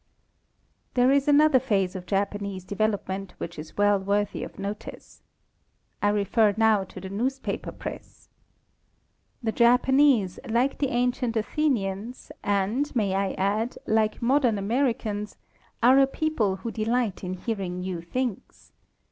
There is another phase of Japanese development which is well worthy of notice. Irefer now to the newspaper press. The Jap anese, like the ancient Athenians, and, may I add, like modern Americans, are a people who delight in hearing new things.